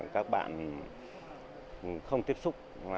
các bạn không tiếp xúc